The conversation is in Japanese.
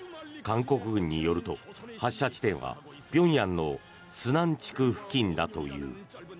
韓国軍によると発射地点は平壌のスナン地区付近だという。